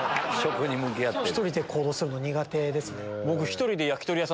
１人で行動するの苦手ですね。